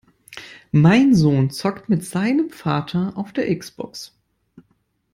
Mein Sohn zockt mit seinem Vater auf der X-Box!